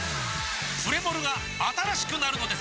プレモルが新しくなるのです！